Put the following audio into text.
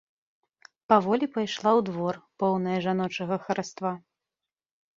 Паволі пайшла ў двор, поўная жаночага хараства.